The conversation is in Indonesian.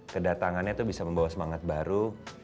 kedatangannya itu bisa membawa semangat baru